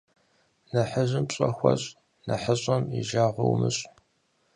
Нэхъыжьым пщӀэ хуэщӀ, нэхъыщӀэм и жагъуэ умыщӀ.